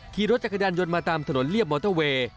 ขี่รถจักรยานยนต์มาตามถนนเรียบมอเตอร์เวย์